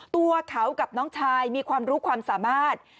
ตัวเขากับน้องชายมีความรู้ความสามารถ